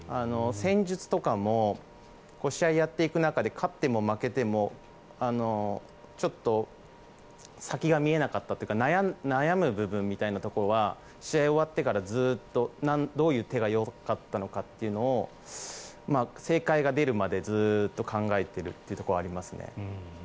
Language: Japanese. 戦術とかも試合をやっていく中で勝っても負けても、ちょっと先が見えなかったというか悩む部分みたいなところは試合が終わってからずっとどういう手がよかったのかというのを正解が出るまでずっと考えているところはあります。